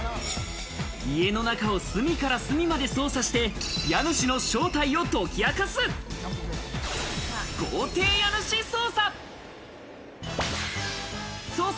家の中を隅から隅まで捜査して、家主の正体を解き明かす、豪邸家主捜査。